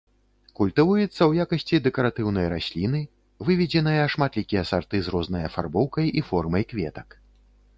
Культывуецца ў якасці дэкаратыўнай расліны, выведзеныя шматлікія сарты з рознай афарбоўкай і формай кветак.